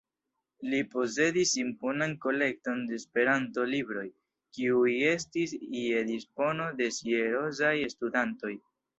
Li posedis imponan kolekton de Esperanto-libroj, kiuj estis je dispono de seriozaj studantoj.